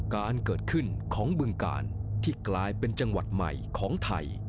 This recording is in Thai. การเกิดขึ้นของบึงกาลที่กลายเป็นจังหวัดใหม่ของไทย